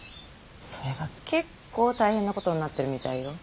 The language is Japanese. それが結構大変なことになってるみたいよ。